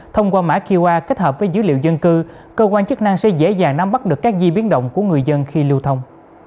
thông qua mã qr kết hợp với dữ liệu dân cư cơ quan chức năng sẽ dễ dàng nắm bắt được các di biến động của người dân khi lưu thông